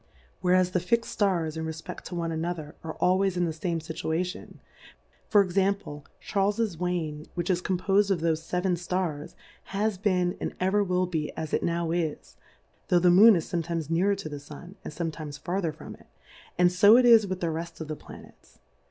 Whereas the fix'd Stars in refpe£t to one another, are always in the fame Scittiation : For Example, CAi^r/fj's Wain which is composed of thofe feven Stars, has been and ever will be as it now is, tho' the MooTi is fometimes nearer to the Sim^ and fometimes farther from it, and fo it is with the reft of the Planets.